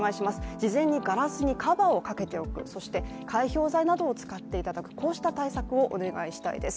事前にガラスにカバーをかけておく、そして、解氷剤などを使っていただく、こうした対策をお願いしたいです。